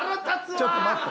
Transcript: ちょっと待って。